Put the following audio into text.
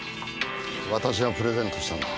私がプレゼントしたんだ。